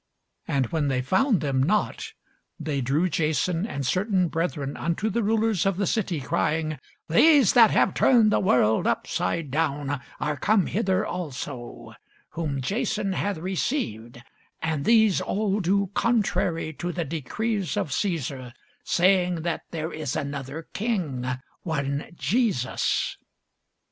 And when they found them not, they drew Jason and certain brethren unto the rulers of the city, crying, These that have turned the world upside down are come hither also; whom Jason hath received: and these all do contrary to the decrees of Cæsar, saying that there is another king, one Jesus.